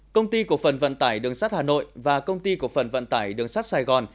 công ty cổ phần vận tải đường sắt hà nội và công ty cổ phần vận tải đường sắt sài gòn